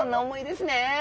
ですね。